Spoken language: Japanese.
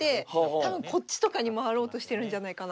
多分こっちとかに回ろうとしてるんじゃないかな。